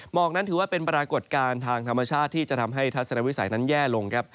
กนั้นถือว่าเป็นปรากฏการณ์ทางธรรมชาติที่จะทำให้ทัศนวิสัยนั้นแย่ลงครับ